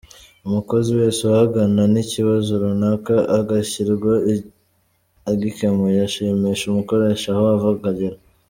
Umukozi wese uhangana n’ikibazo runaka agashirwa agikemuye ashimisha umukoresha aho ava akagera.